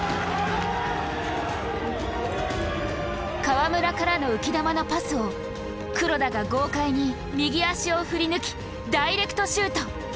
川村からの浮き球のパスを黒田が豪快に右足を振り抜きダイレクトシュート。